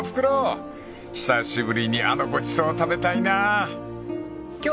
［久しぶりにあのごちそう食べたいな］